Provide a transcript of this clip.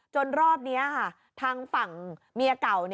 จนรอบนี้ทางฝั่งเมียเก่า